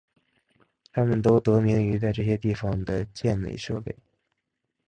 它们都得名于在这些地方的健美设备。